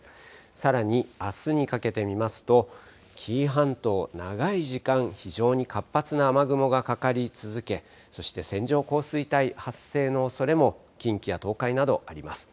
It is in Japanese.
さらにあすにかけて見ますと、紀伊半島、長い時間、非常に活発な雨雲がかかり続け、そして線状降水帯発生のおそれも、近畿や東海などあります。